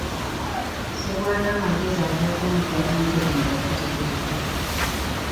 Ssebwana amagezi ag'okumuggya ku ntebe nga tategedde.